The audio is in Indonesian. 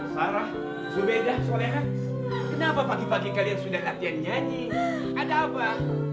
sarah zuedah solehan kenapa pagi pagi kalian sudah latihan nyanyi ada apa